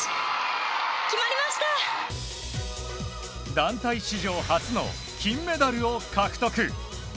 団体史上初の金メダルを獲得。